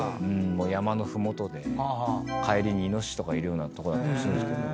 山の麓で帰りにイノシシとかいるようなとこだったりするんですけど。